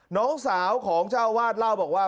น้องสาวของเจ้าวาดเล่าบอกว่า